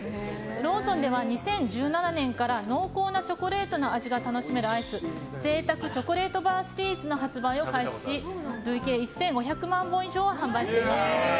ローソンでは２０１７年から濃厚なチョコレートの味を楽しめるアイス贅沢チョコレートバーシリーズの発売を開始し累計１５００万本以上を販売しています。